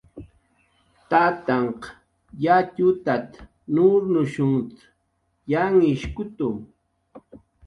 "Tatanhq yatxutat"" nurnushunht"" yanhishkutu. "